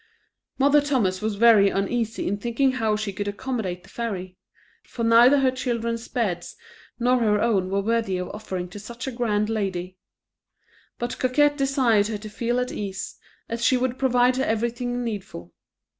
Mother Thomas was very uneasy in thinking how she could accommodate the fairy, for neither her children's beds nor her own were worthy of offering to such a grand lady; but Coquette desired her to feel at ease, as she would provide everything needful.